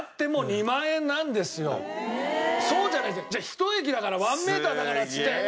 １駅だからワンメーターだからっつって。